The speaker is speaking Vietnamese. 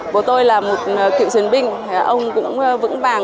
bố tôi là một cựu chiến binh ông cũng vững vàng